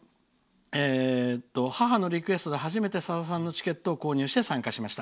「母のリクエストで初めてさださんのチケットを購入して参加しました。